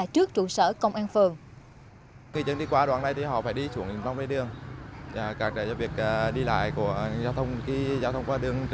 trước trụ sở công an phường